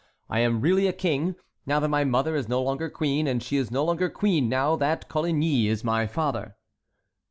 I am really a king, now that my mother is no longer queen, and she is no longer queen now that Coligny is my father."